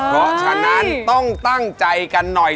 เพราะฉะนั้นต้องตั้งใจกันหน่อย